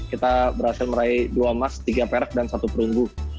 kita berhasil meraih dua emas tiga perak dan satu perunggu